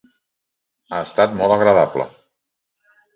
Ha estat molt agradable.